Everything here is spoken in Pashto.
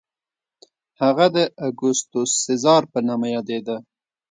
هغه د اګوستوس سزار په نامه یادېده.